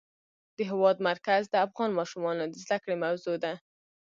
د هېواد مرکز د افغان ماشومانو د زده کړې موضوع ده.